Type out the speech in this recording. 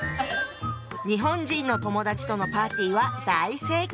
日本人の友達とのパーティーは大盛況。